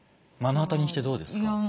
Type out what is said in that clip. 目の当たりにしてどうですか？